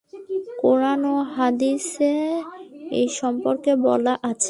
কুরআন ও হাদিসে এ সম্পর্কে বলা আছে।